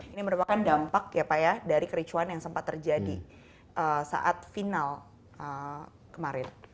ini merupakan dampak dari kericuan yang sempat terjadi saat final kemarin